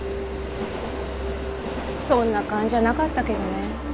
そんな感じじゃなかったけどね。